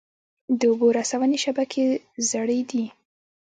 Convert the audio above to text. د اوبو رسونې شبکې زړې دي؟